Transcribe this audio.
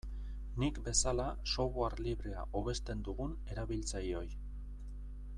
Nik bezala software librea hobesten dugun erabiltzaileoi.